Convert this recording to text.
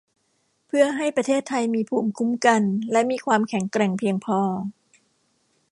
เพื่อให้ประเทศไทยมีภูมิคุ้มกันและมีความแข็งแกร่งเพียงพอ